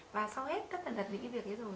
và sau hết các thần thật những cái việc ấy rồi